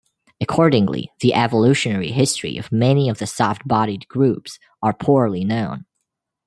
Accordingly, the evolutionary history of many of the soft-bodied groups are poorly known.